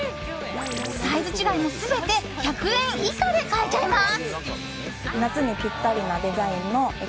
サイズ違いも全て１００円以下で買えちゃいます。